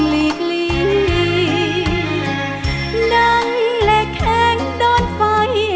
ลีกลีนั่งเล็กแห้งด้อนไฟ